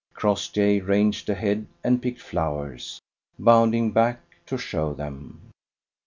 Crossjay ranged ahead and picked flowers, bounding back to show them.